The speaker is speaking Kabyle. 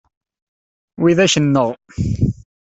Widak nneɣ.